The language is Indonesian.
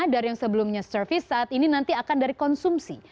dari yang sebelumnya service saat ini nanti akan dari konsumsi